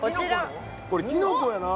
これきのこやな